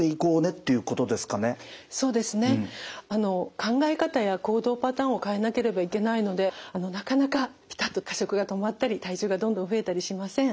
考え方や行動パターンを変えなければいけないのでなかなかピタッと過食が止まったり体重がどんどん増えたりしません。